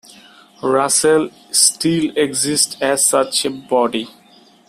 Russell still exists as such a body.